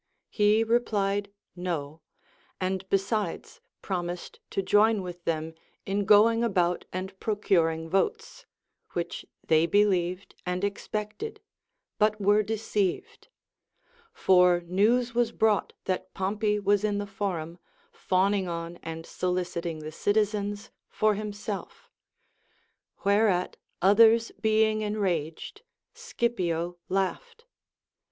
He replied. No ; and besides promised to join with them in going about and procuring votes, which they believed and expected, but were deceived ; for news was brought that Pompey was in the forum, fawning on and soliciting the citizens for himself; whereat others being enraged, Scipio laughed.